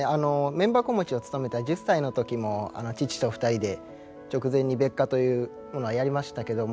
面箱持ちをつとめた１０歳の時も父と２人で直前に別火というものやりましたけども。